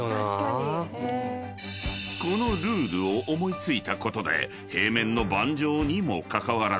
［このルールを思い付いたことで平面の盤上にもかかわらず］